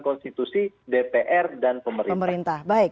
konstitusi dpr dan pemerintah